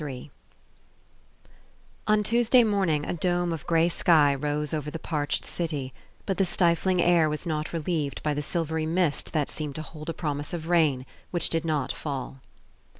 THREE On TUESDAY morning a dome of grey sky rose over the parched city, but the stifling air was not reHeved by the silvery mist that seemed to hold a promise of rain, which did not fall.